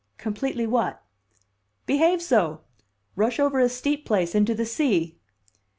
"Completely what?" "Behave so. Rush over a steep place into the sea."